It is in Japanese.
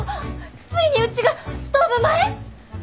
ついにうちがストーブ前？